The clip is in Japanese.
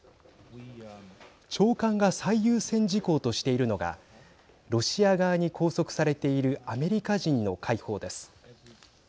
長官が最優先事項としているのがロシア側に拘束されているアメリカ人の解放です。